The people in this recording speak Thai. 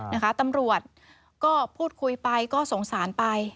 นะคะตำรวจก็พูดคุยไปก็สงสารไป